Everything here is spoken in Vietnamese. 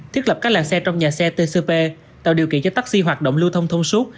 thiết lập các làng xe trong nhà xe tcp tạo điều kiện cho taxi hoạt động lưu thông thông suốt